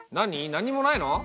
何もないの？